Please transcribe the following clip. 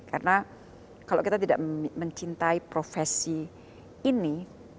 karena kalau kita tidak mencintai profesi ini